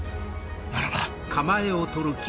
ならば